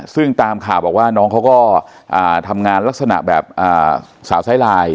ซึ่งตามข่าวบอกว่าน้องเขาก็ทำงานลักษณะแบบสาวไซลาย